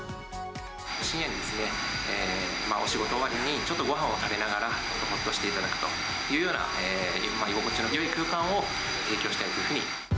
深夜にですね、お仕事終わりに、ちょっとごはんを食べながら、ほっとしていただくというような、居心地のよい空間を提供したいというふうに。